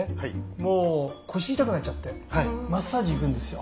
もう腰痛くなっちゃってマッサージ行くんですよ。